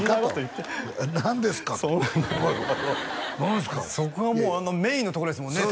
ってそこがもうメインのところですもんね